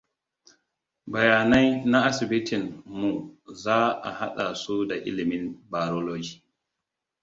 Bayanai na asibitin mu za a haɗa su da ilimin barology.